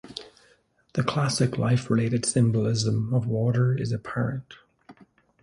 The classic life-related symbolism of water is apparent.